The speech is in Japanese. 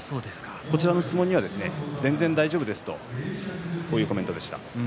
こちらの質問には全然大丈夫ですというコメントでした。